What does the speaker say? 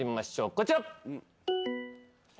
こちら。